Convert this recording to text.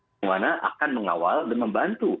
bagaimana akan mengawal dan membantu